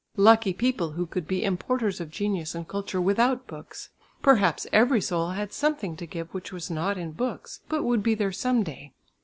Lucky people who could be importers of genius and culture without books. Perhaps every soul had something to give which was not in books, but would be there some day.